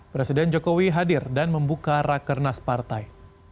presiden jokowi hadir dan membuka rakernas partai